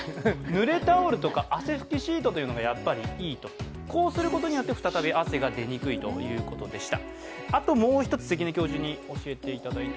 ぬれタオルとか、汗拭きシートがいいとこうすることによって再び汗が出にくいということでした。